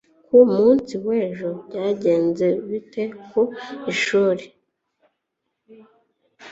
ku munsi w'ejo byagenze bite ku ishuri